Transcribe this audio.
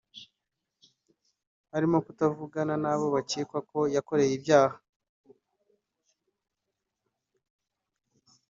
arimo kutavugana n’abo akekwa ko yakoreye ibyaha